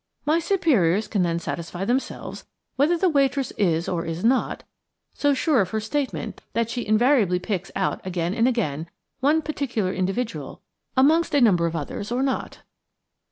"My superiors can then satisfy themselves whether the waitress is or is not so sure of her statement that she invariably picks out again and again one particular individual amongst a number of others or not."